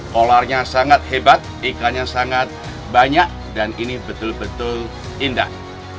kolarnya sangat hebat ikannya sangat banyak dan ini betul betul indah